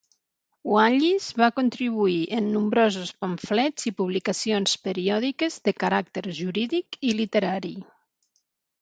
Wallis va contribuir en nombrosos pamflets i publicacions periòdiques de caràcter jurídic i literari.